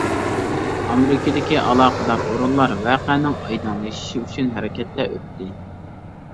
ئامېرىكىدىكى ئالاقىدار ئورۇنلار ۋەقەنىڭ ئايدىڭلىشىشى ئۈچۈن ھەرىكەتتە ئۆتتى.